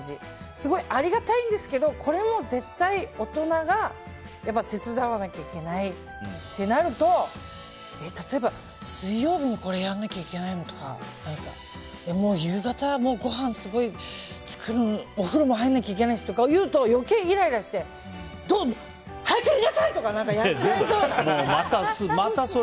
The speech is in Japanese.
すごいありがたいんですけどこれも絶対、大人が手伝わなきゃいけないってなると例えば、水曜日にこれをやんなきゃいけないの？とかもう夕方、ごはん作るしお風呂も入らないといけないしってなると余計イライラして早くやりなさい！とかやっちゃいそう。